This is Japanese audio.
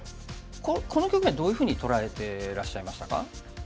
この局面どういうふうに捉えてらっしゃいましたか？